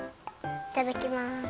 いただきます。